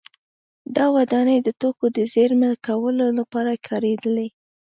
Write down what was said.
دا ودانۍ د توکو د زېرمه کولو لپاره کارېدلې